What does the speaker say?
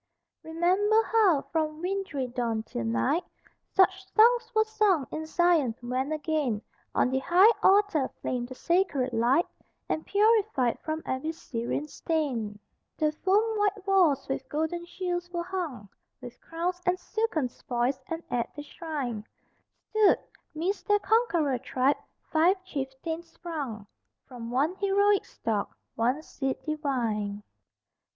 Remember how from wintry dawn till night, Such songs were sung in Zion, when again On the high altar flamed the sacred light, And, purified from every Syrian stain, The foam white walls with golden shields were hung, With crowns and silken spoils, and at the shrine, Stood, midst their conqueror tribe, five chieftains sprung From one heroic stock, one seed divine.